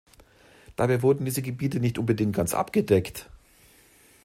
Dabei wurden diese Gebiete nicht unbedingt ganz abgedeckt.